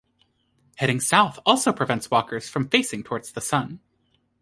Heading south also prevents walkers from facing towards the sun.